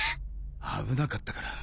危なかったから。